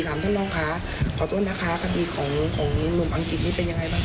ท่านรองค่ะขอโทษนะคะคดีของหนุ่มอังกฤษนี่เป็นยังไงบ้าง